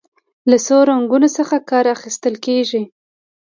له څو رنګونو څخه کار اخیستل کیږي.